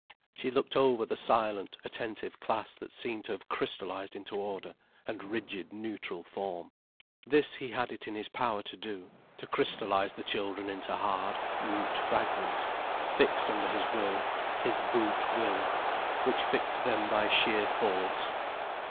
She looked over the silent, attentive class that seemed to have crystallized into order and rigid, neutral form. This he had it in his power to do, to crystallize the children into hard, mute fragments, fixed under his will: his brute will, which fixed them by sheer force.